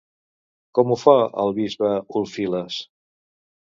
Com ho fa el bisbe Ulfilas?